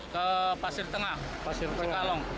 ke pasir tengah cikalong